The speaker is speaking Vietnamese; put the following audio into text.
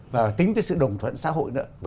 và tính tới sự đồng thuận xã hội nữa